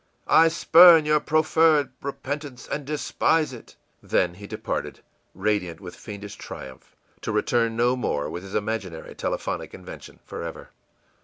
I spurn your proffered repentance, and despise it!î Then he departed, radiant with fiendish triumph, to return no more with his imaginary telephonic invention forever.